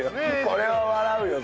これは笑うよ